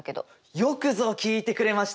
よくぞ聞いてくれました！